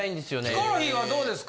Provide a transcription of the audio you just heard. ヒコロヒーはどうですか。